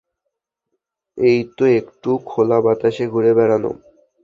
এইতো একটু খোলা বাতাসে ঘুরে বেড়ানো।